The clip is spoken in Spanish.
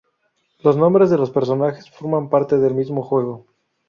Los nombres de los personajes forman parte del mismo juego.